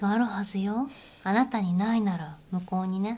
あなたにないなら向こうにね。